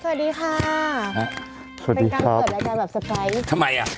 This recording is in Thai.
สวัสดีค่ะสวัสดีครับเป็นการเกิดรายการแบบสไปร์สทำไมอ่ะ